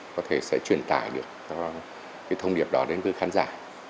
có thể sẽ truyền tải được cái thông điệp đó đến với khán giả